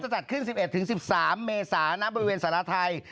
จะจัดขึ้น๑๑๑๓เมษาน้ำบริเวณสาราไทย